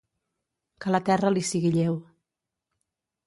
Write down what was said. Que la terra li sigui lleu.